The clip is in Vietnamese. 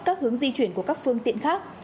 các hướng di chuyển của các phương tiện khác